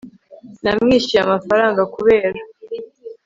namwishyuye amafaranga kubera